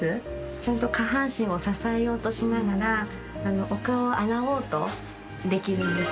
ちゃんと下半身を支えようとしながらお顔を洗おうとできるんです。